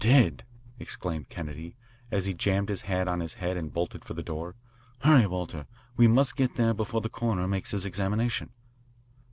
"Dead!" exclaimed Kennedy, as he jammed his hat on his head and bolted for the door. "Hurry, Walter. We must get there before the coroner makes his examination."